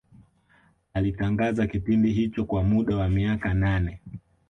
Alitangaza kipindi hicho kwa muda wa miaka nane